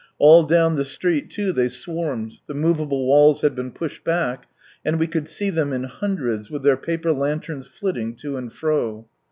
All down the street too, they swarmed, the movable walls had been pushed back, and we could see them in hundreds, with their paper lanterns flitting to and fro.